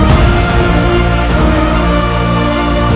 raja atau anak tuhanflora